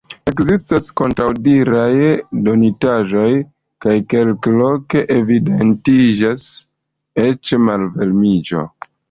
Ekzistas kontraŭdiraj donitaĵoj, kaj kelkloke evidentiĝas eĉ malvarmiĝo.